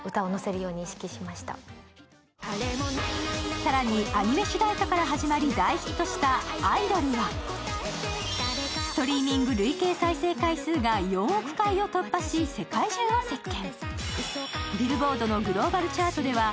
更にアニメ主題歌から始まり大ヒットした「アイドル」はストリーミング累計再生数が４億回を突破し世界中を席巻。